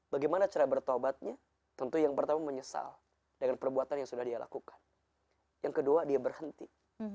bagaimana cara bertobatnya tentu yang pertama menyesal dengan perbuatan yang sudah dia lakukan yang kedua dia berhenti